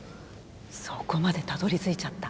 そこまでたどりついちゃった？